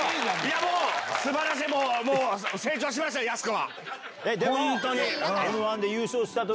もう、すばらしい、もう、成長しましたよ、やす子は。